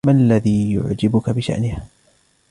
ما الذي يعجبك بشأنها ؟